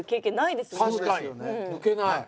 抜けない。